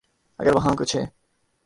اگر وہاں کچھ ہے۔